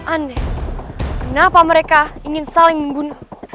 aneh kenapa mereka ingin saling membunuh